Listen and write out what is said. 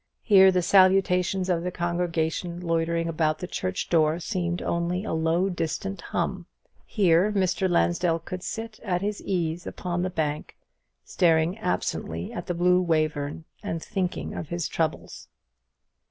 Here the salutations of the congregation loitering about the church door seemed only a low distant hum; here Mr. Lansdell could sit at his ease upon the bank, staring absently at the blue Wayverne, and thinking of his troubles.